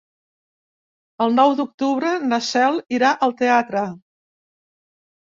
El nou d'octubre na Cel irà al teatre.